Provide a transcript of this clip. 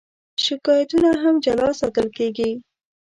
شکایتونه هم جلا ساتل کېږي.